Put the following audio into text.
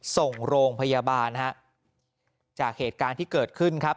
ส่งโรงพยาบาลฮะจากเหตุการณ์ที่เกิดขึ้นครับ